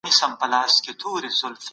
سالم ذهن ستړیا نه پیدا کوي.